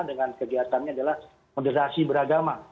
dengan kegiatannya adalah moderasi beragama